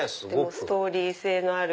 ストーリー性のある。